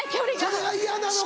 それが嫌なのか。